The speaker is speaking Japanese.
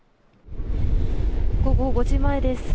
午後５時前です。